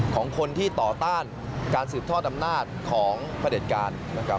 ของคนที่ต่อต้านการสืบทอดอำนาจของพระเด็จการนะครับ